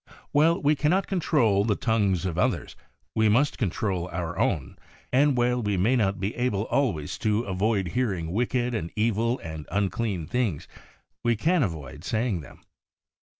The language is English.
While we cannot control the tongues of others, we must control our own, and while we may not be able always to avoid hearing wicked and evil and unclean things, we can avoid saying them.